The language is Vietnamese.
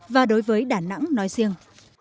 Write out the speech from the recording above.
và đối với đà nẵng nói riêng